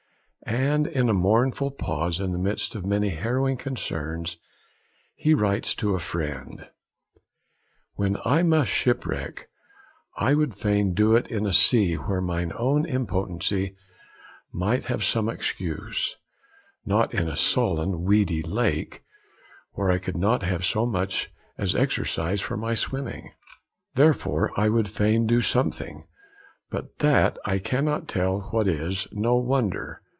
And, in a mournful pause in the midst of many harrowing concerns, he writes to a friend: 'When I must shipwreck, I would fain do it in a sea where mine own impotency might have some excuse; not in a sullen, weedy lake, where I could not have so much as exercise for my swimming. Therefore I would fain do something, but that I cannot tell what is no wonder.'